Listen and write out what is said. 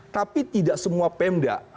tapi tidak semua pemda